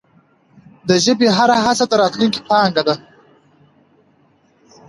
د ژبي هره هڅه د راتلونکې پانګه ده.